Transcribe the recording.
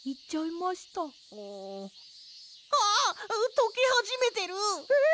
とけはじめてる！え！？